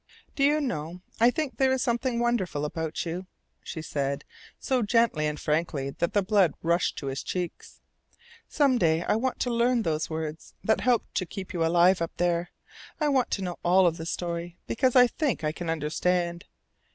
"Do you know, I think there is something wonderful about you," she said, so gently and frankly that the blood rushed to his cheeks. "Some day I want to learn those words that helped to keep you alive up there. I want to know all of the story, because I think I can understand.